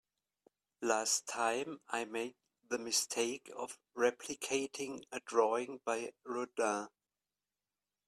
Last time, I made the mistake of replicating a drawing by Rodin.